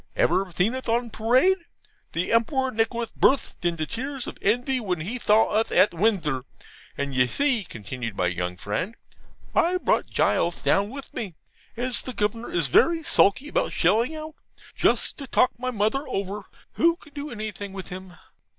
Ever theen uth on pawade? The Empewar Nicolath burtht into tearth of envy when he thaw uth at Windthor. And you see,' continued my young friend, 'I brought Gules down with me, as the Governor is very sulky about shelling out, just to talk my mother over, who can do anything with him.